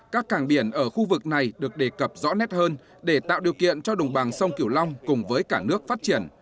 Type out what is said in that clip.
các càng biển ở khu vực này được đề cập rõ nét hơn để tạo điều kiện cho đồng bằng sông kiểu long cùng với cả nước phát triển